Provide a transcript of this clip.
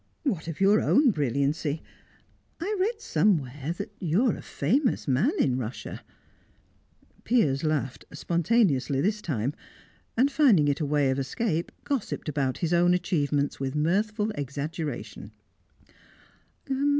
"What of your own brilliancy? I read somewhere that you are a famous man in Russia " Piers laughed, spontaneously this time, and, finding it a way of escape, gossiped about his own achievements with mirthful exaggeration.